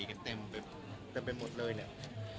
จะเป็นหมดเลยเนี่ย